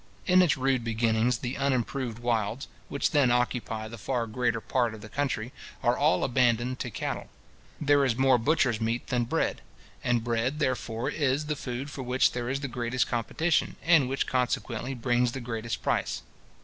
In its rude beginnings, the unimproved wilds, which then occupy the far greater part of the country, are all abandoned to cattle. There is more butcher's meat than bread; and bread, therefore, is the food for which there is the greatest competition, and which consequently brings the greatest price.